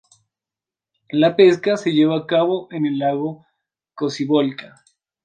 La pesca se lleva a cabo en el Lago Cocibolca.